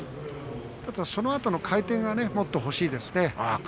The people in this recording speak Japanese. ただそのあとの回転がもっと欲しいですね。